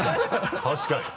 確かに。